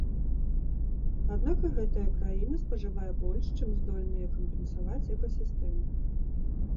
Аднак і гэтая краіна спажывае больш, чым здольныя кампенсаваць экасістэмы.